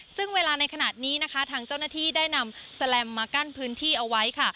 ซึ่งเวลาในขณะนี้นะคะทางเจ้าหน้าที่ได้นำแสลมมากั้นพื้นที่เอาไว้ค่ะ